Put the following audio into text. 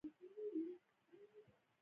ټولې ټولنې په نړۍ کې نابرابرې دي.